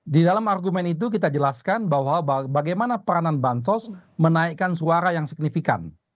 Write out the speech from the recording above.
di dalam argumen itu kita jelaskan bahwa bagaimana peranan bansos menaikkan suara yang signifikan